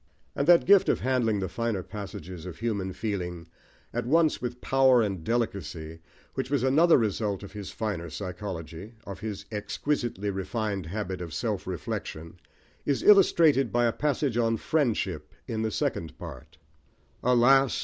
And that gift of handling the finer passages of human feeling, at once with power and delicacy, which was another result of his finer psychology, of his exquisitely refined habit of self reflection, is illustrated by a passage on Friendship in the Second Part Alas!